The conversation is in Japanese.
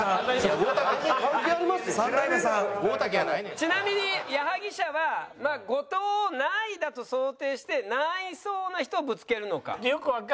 ちなみに矢作舎はまあ後藤を何位だと想定して何位そうな人をぶつけるのか。